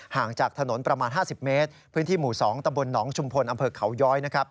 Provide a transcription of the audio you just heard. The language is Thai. ห่างจากถนนประมาณ๕๐เมตรพื้นที่หมู่๒ตำบลหนองชุมพลอำเภอเขาย้อย